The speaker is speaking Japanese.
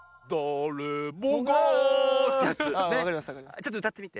ちょっとうたってみて。